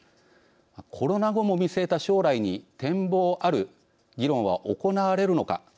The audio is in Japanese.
コロナ後も見据えた将来に展望ある議論は行われるのか。